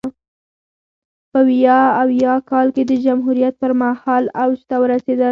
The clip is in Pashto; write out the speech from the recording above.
په ویا اویا کال کې د جمهوریت پرمهال اوج ته ورسېدل.